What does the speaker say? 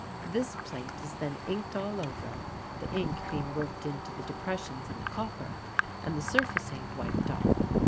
This plate is then inked all over, the ink being worked into the depressions in the copper, and the surface ink wiped off.